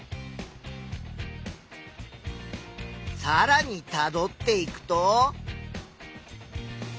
さらにたどっていくと？